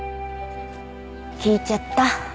聞いちゃった。